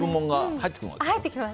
入ってきます。